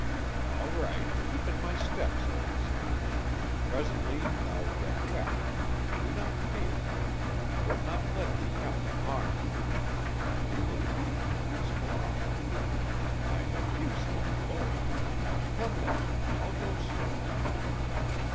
"All right. Keep in my steps, old son. Presently thou'll get wet. Do not fear. Wilt not let 'ee come to harm. Neither thee nor tuh squaw. I have use for you both. Come now; I'll go slow."